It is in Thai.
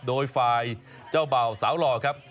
โดยฝ่ายเจ้าบ่าวสาวหล่อครับ